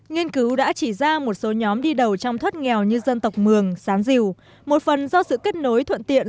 nghiên cứu đã chỉ ra một số nhóm đi đầu trong thoát nghèo như dân tộc mường sán diều một phần do sự kết nối thuận tiện